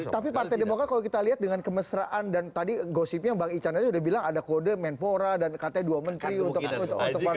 tapi partai demokrat kalau kita lihat dengan kemesraan dan tadi gosipnya bang ican aja sudah bilang ada kode menpora dan katanya dua menteri untuk partai politik